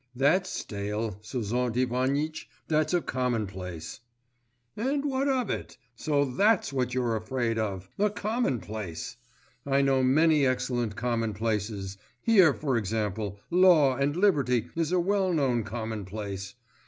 'That's stale, Sozont Ivanitch, that's a commonplace.' 'And what of it? So that's what you're afraid of! A commonplace! I know many excellent commonplaces. Here, for example, Law and Liberty is a well known commonplace.